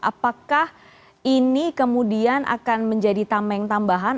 apakah ini kemudian akan menjadi tameng tambahan